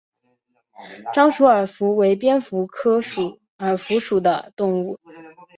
沼鼠耳蝠为蝙蝠科鼠耳蝠属的动物。